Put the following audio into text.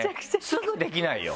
すぐできないよ。